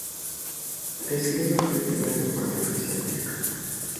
La esgrima fue el primer deporte oficial del club.